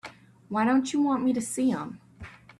Why don't you want me to see him?